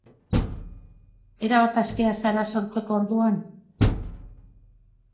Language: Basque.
Erabat askea zara sortzeko orduan?